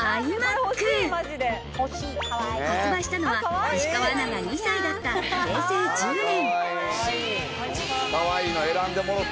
ｉＭａｃ。発売したのは石川アナが２歳だった、平成１０年。